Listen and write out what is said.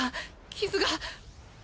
傷が。